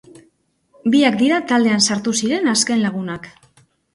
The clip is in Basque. Biak dira taldean sartu ziren azken lagunak.